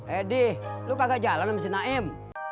edih lo kagak jalan sama si naim